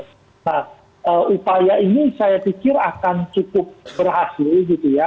nah upaya ini saya pikir akan cukup berhasil gitu ya